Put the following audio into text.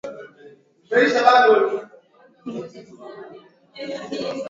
Ambapo wanyamapori kuzunguka Maziwa ya Momella na volkeno ya Ngurudoto Nguruto kreta